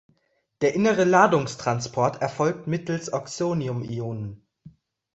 Der innere Ladungstransport erfolgt mittels Oxonium-Ionen.